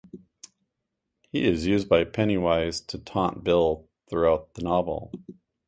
He is used by Pennywise to taunt Bill throughout the novel.